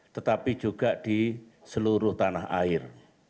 tetapi juga di seluruh tanah air